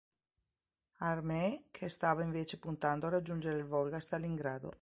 Armee che stava invece puntando a raggiungere il Volga a Stalingrado.